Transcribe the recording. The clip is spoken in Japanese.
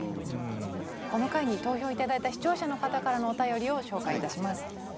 この回に投票頂いた視聴者の方からのお便りを紹介いたします。